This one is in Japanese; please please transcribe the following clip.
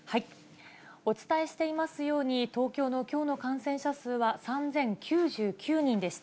お伝えしていますように、東京のきょうの感染者数は３０９９人でした。